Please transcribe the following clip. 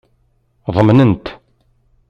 Ḍemnen-t.